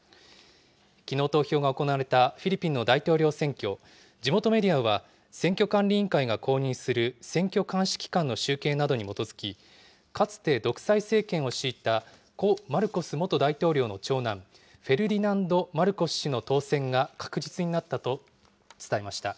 きのう投票が行われたフィリピンの大統領選挙、地元メディアは、選挙管理委員会が公認する選挙監視機関の集計などに基づき、かつて独裁政権を敷いた故・マルコス元大統領の長男、フェルディナンド・マルコス氏の当選が確実になったと伝えました。